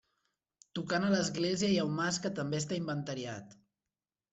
Tocant a l'església hi ha un mas que també està inventariat.